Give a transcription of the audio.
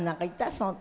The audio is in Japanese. その時。